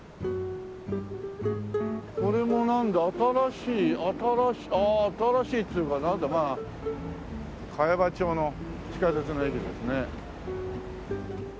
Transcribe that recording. これもなんだ新しい新しい新しいっていうかなんだまあ茅場町の地下鉄の駅ですね。